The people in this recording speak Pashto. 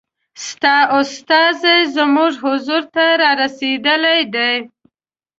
ستا استازی زموږ حضور ته را رسېدلی دی.